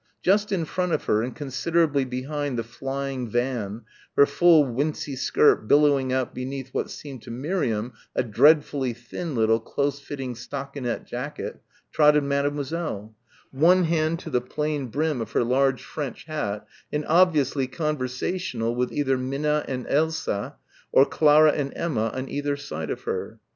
Just in front of her and considerably behind the flying van, her full wincey skirt billowing out beneath what seemed to Miriam a dreadfully thin little close fitting stockinette jacket, trotted Mademoiselle one hand to the plain brim of her large French hat, and obviously conversational with either Minna and Elsa or Clara and Emma on either side of her.